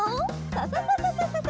サササササササ！